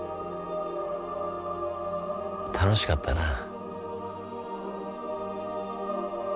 楽しかったなぁ。